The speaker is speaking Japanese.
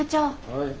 はい。